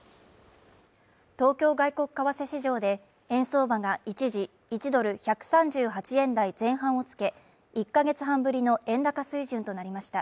東京外国為替市場で円相場が一時１ドル＝１３８円台前半を付け、１ヶ月半ぶりの円高水準となりました。